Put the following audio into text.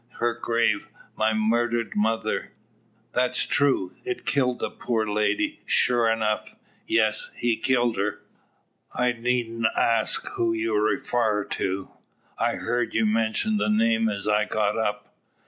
Her grave my murdered mother!" "That's true. It killed the poor lady, sure enough." "Yes; he killed her." "I needn't axe who you refar to. I heerd you mention the name as I got up.